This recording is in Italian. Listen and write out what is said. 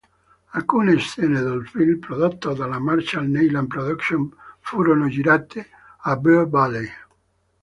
Alcune scene del film, prodotto dalla Marshall Neilan Productions, furono girate a Bear Valley.